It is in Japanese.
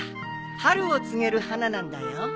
春を告げる花なんだよ。